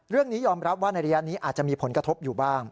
เรื่องนี้ยอมรับว่าในระยะนี้อาจจะมีผลกระทบอยู่บ้าง